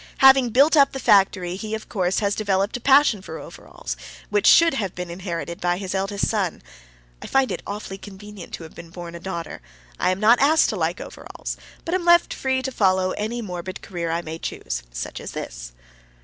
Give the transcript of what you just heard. Having built up the factory, he of course has developed a passion for overalls, which should have been inherited by his eldest son. I find it awfully convenient to have been born a daughter; I am not asked to like overalls, but am left free to follow any morbid career I may choose, such as this.